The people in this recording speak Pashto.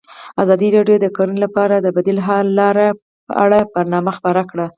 ازادي راډیو د کرهنه لپاره د بدیل حل لارې په اړه برنامه خپاره کړې.